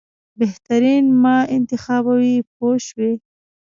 بهترین ما انتخابوي پوه شوې!.